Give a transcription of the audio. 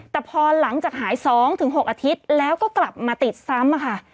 แต่พอหลังจากหาย๒๖อาทิตย์แล้วก็กลับมาติดซ้ำค่ะ